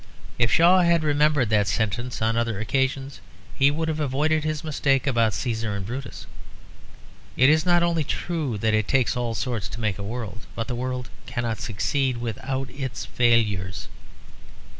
If Shaw had remembered that sentence on other occasions he would have avoided his mistake about Cæsar and Brutus. It is not only true that it takes all sorts to make a world; but the world cannot succeed without its failures.